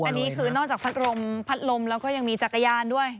อันนี้คือนอกจากพัดลมพัดลมแล้วก็ยังมีจักรยานด้วย